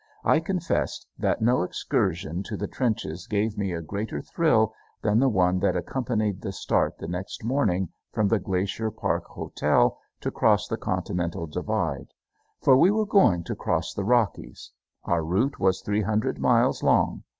I confess that no excursion to the trenches gave me a greater thrill than the one that accompanied that start the next morning from the Glacier Park Hotel to cross the Continental Divide. For we were going to cross the Rockies. Our route was three hundred miles long.